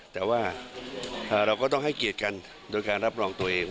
แต่ว่าเราก็ต้องให้เกียรติกันโดยการรับรองตัวเอง